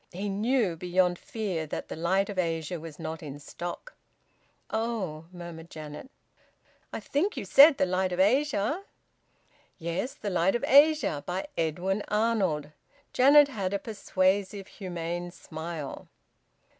He knew beyond fear that "The Light of Asia" was not in stock. "Oh!" murmured Janet. "I think you said `The Light of Asia'?" "Yes. `The Light of Asia,' by Edwin Arnold." Janet had a persuasive humane smile.